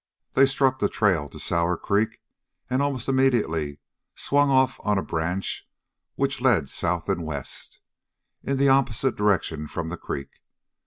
They struck the trail to Sour Creek and almost immediately swung off on a branch which led south and west, in the opposite direction from the creek.